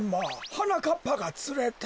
はなかっぱがつれた。